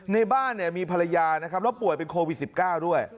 ในบ้านมีภรรยาแล้วปวดเป็นโควิด๑๙ด้วย